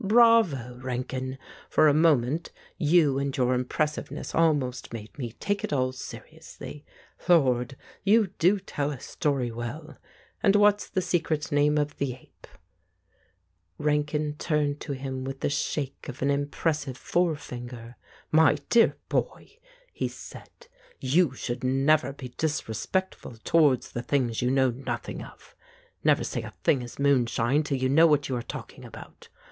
Bravo, Rankin ! For a moment, you and your im pressiveness almost made me take it all seriously. Lord I You do tell a story well ! And what's the secret name of the ape ?" Rankin turned to him with the shake of an im pressive forefinger. "My dear boy," he said, "you should never be disrespectful towards the things you know nothing of. Never say a thing is moonshine till you know what you are talking about.